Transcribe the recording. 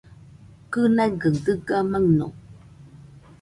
Kɨnaigaɨ dɨga maɨno.